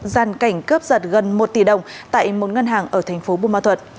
gian cảnh cướp giật gần một tỷ đồng tại một ngân hàng ở thành phố bù ma thuật